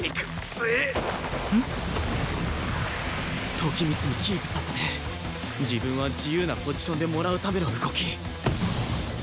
時光にキープさせて自分は自由なポジションでもらうための動き